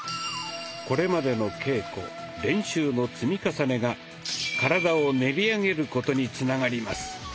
これまでの稽古練習の積み重ねが体を練り上げることにつながります。